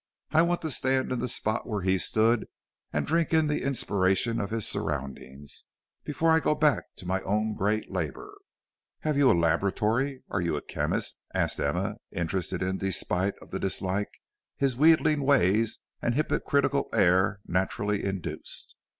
I want to stand in the spot where he stood, and drink in the inspiration of his surroundings, before I go back to my own great labor." "Have you a laboratory? Are you a chemist?" asked Emma, interested in despite of the dislike his wheedling ways and hypocritical air naturally induced.